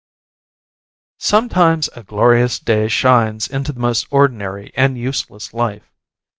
Sometimes a glorious day shines into the most ordinary and useless life.